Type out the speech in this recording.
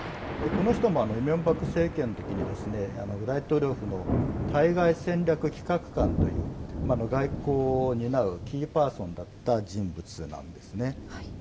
この人もイ・ミョンバク政権のときに大統領府の対外戦略企画官という外交を担うキーパーソンだった人物なんですね。